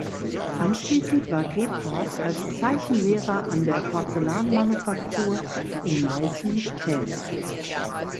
Anschließend war Gebhardt als Zeichenlehrer an der Porzellanmanufaktur in Meißen tätig.